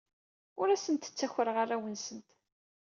Ur asent-ttakreɣ arraw-nsent.